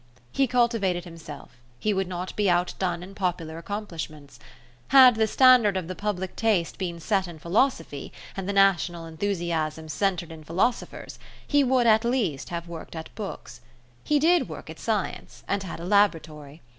He cultivated himself, he would not be outdone in popular accomplishments. Had the standard of the public taste been set in philosophy, and the national enthusiasm centred in philosophers, he would at least have worked at books. He did work at science, and had a laboratory.